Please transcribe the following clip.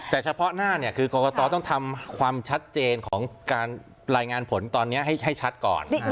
แต่เฉพาะหน้าเนี่ยคือกรกตต้องทำความชัดเจนของการรายงานผลตอนนี้ให้ชัดก่อน